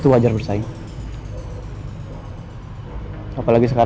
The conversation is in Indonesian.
buku bernama untuk kita